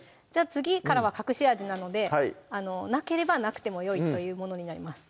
次からは隠し味なのでなければなくてもよいというものになります